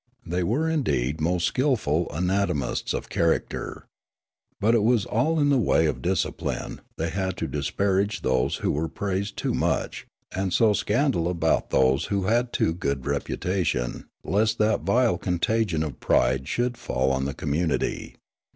They were indeed most skilful anatomists of character. But it was all in the wa}^ of discipline ; they had to disparage those who were praised too much, and sow scandal about those who had too good reputation lest that vile contagion of pride should fall on the community.